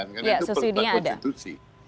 karena itu perintah konstitusi